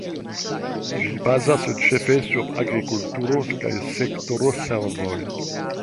Ĝi bazas ĉefe sur agrikulturo kaj sektoro servoj.